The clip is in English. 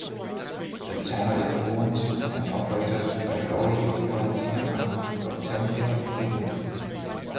The channel is owned and operated by Lauri Vuohensilta from Tampere, Finland.